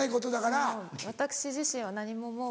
私自身は何ももう。